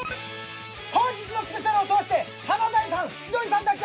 本日のスペシャルを通して華大さん